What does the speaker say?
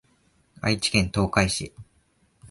愛知県東海市